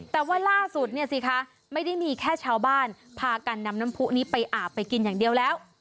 แต่ว่าล่าสุดเนี่ยสิคะไม่ได้มีแค่ชาวบ้านพากันนำน้ำผู้นี้ไปอาบไปกินอย่างเดียวแล้ว